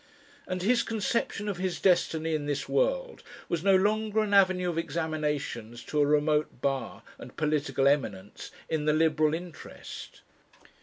And his conception of his destiny in this world was no longer an avenue of examinations to a remote Bar and political eminence "in the Liberal interest (D.